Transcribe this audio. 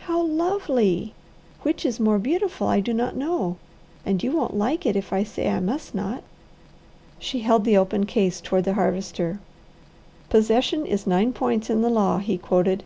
"How lovely! Which is more beautiful I do not know. And you won't like it if I say I must not." She held the open case toward the Harvester. "'Possession is nine points in the law,'" he quoted.